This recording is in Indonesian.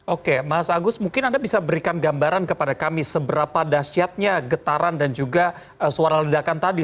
oke mas agus mungkin anda bisa berikan gambaran kepada kami seberapa dasyatnya getaran dan juga suara ledakan tadi